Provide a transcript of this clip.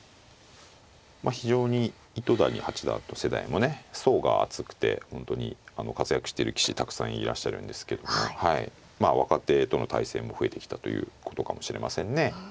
非常に糸谷八段の世代もね層が厚くて本当に活躍してる棋士たくさんいらっしゃるんですけどもまあ若手との対戦も増えてきたということかもしれませんね。